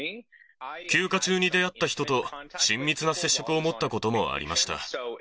休暇中に出会った人と親密な接触を持ったこともありました。